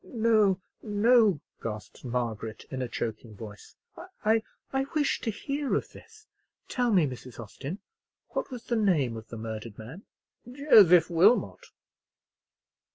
"No, no!" gasped Margaret, in a choking voice. "I—I—wish to hear of this. Tell me, Mrs. Austin, what was the name of the murdered man?" "Joseph Wilmot."